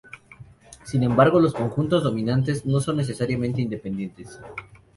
Sin embargo, los conjuntos dominantes no son necesariamente independientes.